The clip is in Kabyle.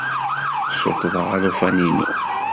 Ssuṭṭḍeɣ alufan-inu.